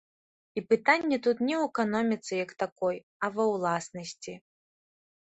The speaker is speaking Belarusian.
І пытанне тут не ў эканоміцы як такой, а ва ўласнасці.